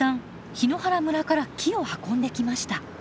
檜原村から木を運んできました。